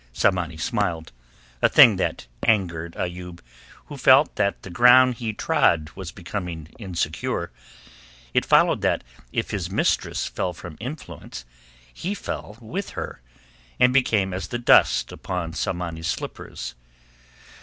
Tsamanni smiled, a thing that angered Ayoub, who felt that the ground he trod was becoming insecure; it followed that if his mistress fell from influence he fell with her, and became as the dust upon Tsamanni's slippers.